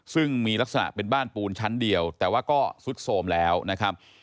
ซึ่งมีลักษณะเป็นบ้านปูนชั้นเดียวแต่ว่าก็สุดโสมแล้วนะครับ